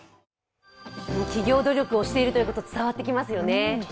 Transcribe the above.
企業努力をしているということが伝わってきますよね。